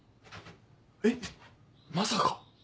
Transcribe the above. えっまさか。